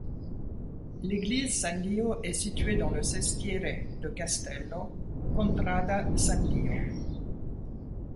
L'église San Lio est située dans le sestiere de Castello, contrada San Lio.